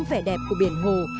vẻ đẹp của biển hồ